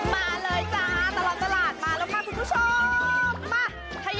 มาเลยจ้าตลอดตลาดมาแล้วค่ะคุณผู้ชม